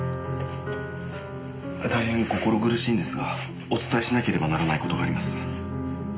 大変心苦しいんですがお伝えしなければならない事があります。